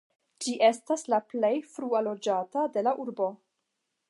Ĝi estas la plej frua loĝata de la urbo.